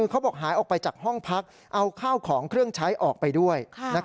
เขาบอกหายออกไปจากห้องพักเอาข้าวของเครื่องใช้ออกไปด้วย